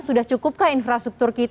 sudah cukupkah infrastruktur kini